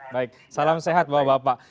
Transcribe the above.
baik salam sehat bapak bapak